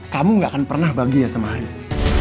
kamu gak akan pernah bahagia sama haris